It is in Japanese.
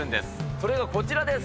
それがこちらです。